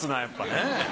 やっぱね。